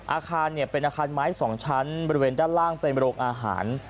อาคารเป็นอาคารไม้๒ชั้นบริเวณด้านล่างเป็นโรงอาหาร